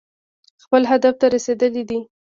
خپل هدف ته رسېدلي دي.